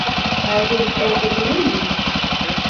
Daire rica edebilir miyim ?